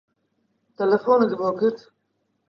تەلەفۆنت بۆ کرد؟